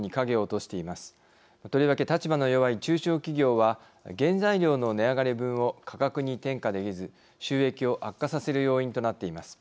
とりわけ立場の弱い中小企業は原材料の値上がり分を価格に転嫁できず収益を悪化させる要因となっています。